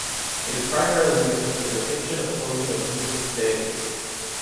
It is primarily used for the depiction of clothing of Buddhist deities.